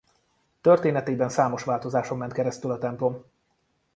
Történetében számos változáson ment keresztül a templom.